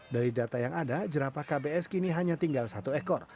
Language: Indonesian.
dari data yang ada jerapah kbs kini hanya tinggal satu ekor